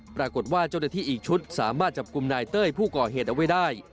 ปรากฏว่าเจ้าหน้าที่อีกชุดสามารถจับกลุ่มนายเต้ยผู้ก่อเหตุเอาไว้ได้